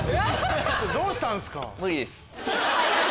どうしたんすか？